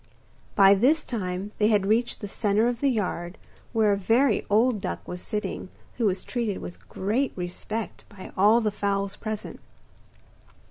By this time they had reached the centre of the yard, where a very old duck was sitting, who was treated with great respect by all the fowls present.